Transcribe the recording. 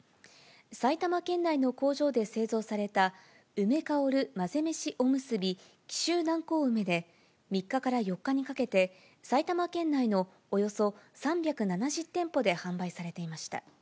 埼玉県内の工場で製造された梅香る混ぜ飯おむすび紀州南高梅で、３日から４日にかけて、埼玉県内のおよそ３７０店舗で販売されていました。